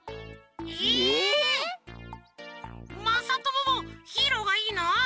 まさとももヒーローがいいの？